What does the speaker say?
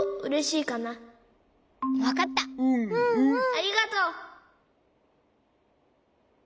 ありがとう。